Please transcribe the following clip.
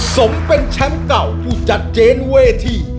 สมเป็นแชมป์เก่าผู้จัดเจนเวที